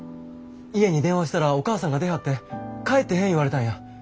家に電話したらお母さんが出はって帰ってへん言われたんや。